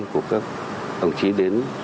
của các đồng chí đến